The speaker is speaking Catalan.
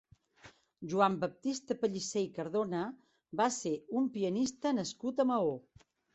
Joan Baptista Pellicer i Cardona va ser un pianista nascut a Maó.